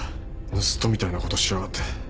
盗っ人みたいなことしやがって。